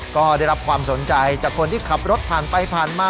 ก็ได้รับความสนใจจากคนที่ขับรถผ่านไปผ่านมา